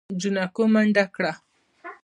جانکو منډه کړه.